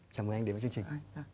chào mừng anh đến với chương trình